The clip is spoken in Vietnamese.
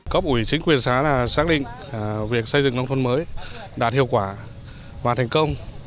cấp ủy chính quyền xá xác định việc xây dựng nông thôn mới đạt hiệu quả và thành công